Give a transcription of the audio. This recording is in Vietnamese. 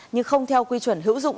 nhưng không theo quy chuẩn hữu dụng